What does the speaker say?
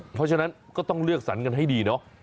เพราะฉะนั้นต้องเลือกศัลก์กันให้ดีเนอะ